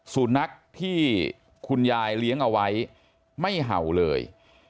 สุนัขที่คุณยายเลี้ยงเอาไว้ไม่เห่าเลย